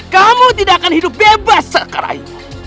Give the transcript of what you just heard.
kamu tidak akan hidup bebas sekarang ini